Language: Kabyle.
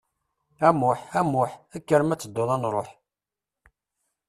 A Muĥ, a Muḥ, kker ma tedduḍ ad nruḥ.